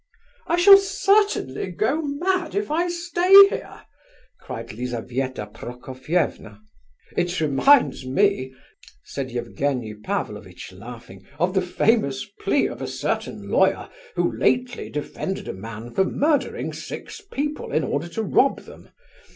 "I shall certainly go mad, if I stay here!" cried Lizabetha Prokofievna. "It reminds me," said Evgenie Pavlovitch, laughing, "of the famous plea of a certain lawyer who lately defended a man for murdering six people in order to rob them.